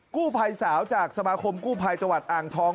กู้พายสาวจากสมาคมกู้พายจวัดอ่างทอง